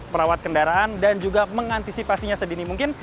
merawat kendaraan dan juga mengantisipasinya sedini mungkin